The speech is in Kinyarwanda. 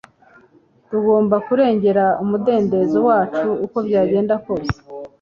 Tugomba kurengera umudendezo wacu uko byagenda kose.